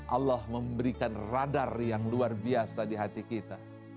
allah memberikan radar yang luar biasa di hati kita